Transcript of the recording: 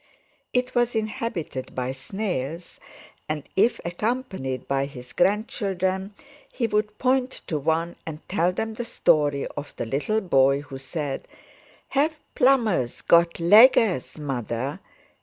It was inhabited by snails, and if accompanied by his grandchildren, he would point to one and tell them the story of the little boy who said: "Have plummers got leggers, Mother?"